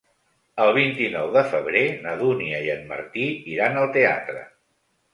El vint-i-nou de febrer na Dúnia i en Martí iran al teatre.